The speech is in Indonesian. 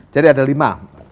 jadi ada lima